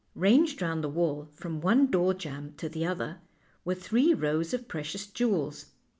Ranged round the wall, from one door jamb to the other, were three rows of precious jewels.